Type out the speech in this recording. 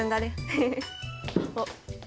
おっ。